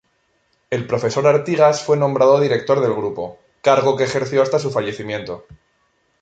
El profesor Artigas fue nombrado director del grupo, cargo que ejerció hasta su fallecimiento.